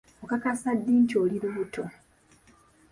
Okakasa ddi nti oli olubuto?